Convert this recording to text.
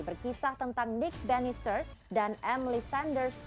berkisah tentang nick bannister dan emily sanders